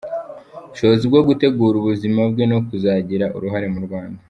ubushobozi bwo gutegura ubuzima bwe no kuzagira uruhare mu Rwanda